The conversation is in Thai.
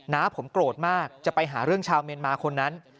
น้าผมโกรธมากจะไปหาเรื่องชาวเมียนมาคนนั้น